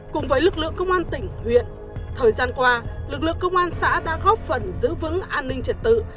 cùng với lực lượng công an tỉnh huyện thời gian qua lực lượng công an xã đã góp phần giữ vững an ninh trật tự